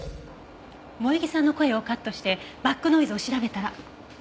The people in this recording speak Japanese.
萌衣さんの声をカットしてバックノイズを調べたら。